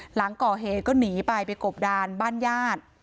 หลังก่อเหตุก็หนีไปไปกบดานบ้านญาติ